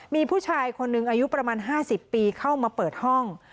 มีผู้ชายคนหนึ่งอายุประมาณ๕๐ปีเข้ามาเปิดห้อง